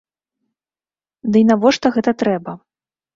Дый навошта гэта трэба?